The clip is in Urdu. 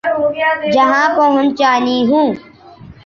جہاں پہنچانی ہوں۔